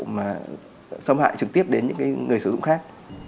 mà xâm hại trực tiếp đến những người sử dụng khác